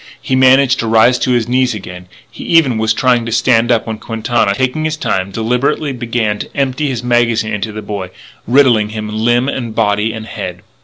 He managed to rise to his knees again; he even was trying to stand up when Quintana, taking his time, deliberately began to empty his magazine into the boy, riddling him limb and body and head.